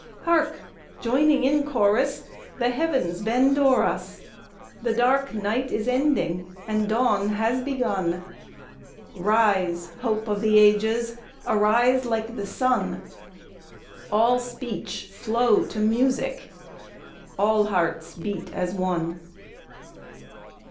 Hark! joining in chorus The heavens bend o'er us' The dark night is ending and dawn has begun; Rise, hope of the ages, arise like the sun, All speech flow to music, all hearts beat as one!